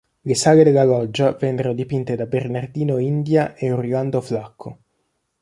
Le sale della Loggia vennero dipinte da Bernardino India e Orlando Flacco.